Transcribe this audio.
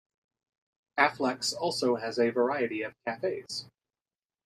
Afflecks also has a variety of cafes.